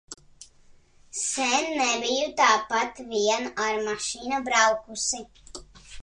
Sen nebiju tāpat vien ar mašīnu braukusi.